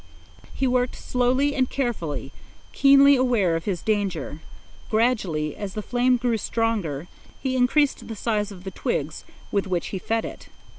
He worked slowly and carefully, keenly aware of his danger. Gradually, as the flame grew stronger, he increased the size of the twigs with which he fed it.